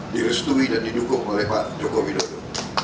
direstui dan didukung oleh pak joko widodo